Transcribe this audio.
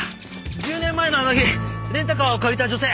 １０年前のあの日レンタカーを借りた女性。